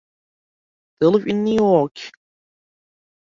They live in New York.